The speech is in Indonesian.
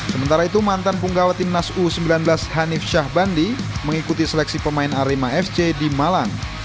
sementara itu mantan punggawa tim nas u sembilan belas hanif shah bandi mengikuti seleksi pemain arima fc di malang